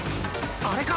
あれか！